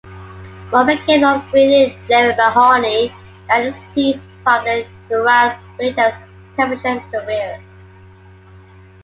One became the upgraded Jerry Mahoney that is seen primarily throughout Winchell's television career.